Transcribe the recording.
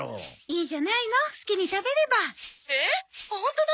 いいじゃないの好きに食べれば。